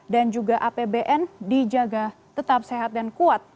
dan juga apbn dijaga tetap sehat dan kuat